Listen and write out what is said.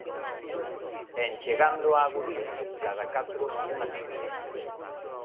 En chegando á Gudiña, cada catro unha sardiña